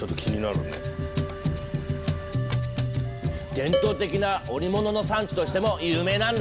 伝統的な織物の産地としても有名なんだ。